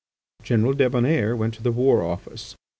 General Débonnaire went to the War Office.